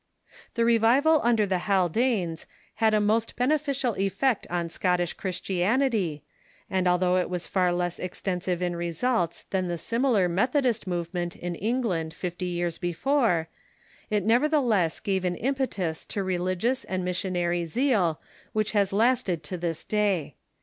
The revival under the Haldanes had a most beneficial effect on Scottish Christianity, and although it was far less exten 380 THE MODERN CHURCH sive in results than the similar Methodist movement in Eng land fifty years before, it nevertheless gave an impetus to re ligious and missionary zeal Avhich has lasted to this day.